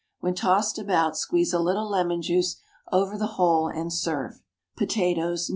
When tossed about squeeze a little lemon juice over the whole and serve. POTATOES, NEW.